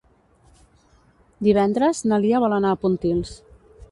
Divendres na Lia vol anar a Pontils.